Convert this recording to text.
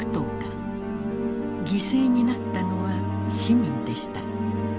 犠牲になったのは市民でした。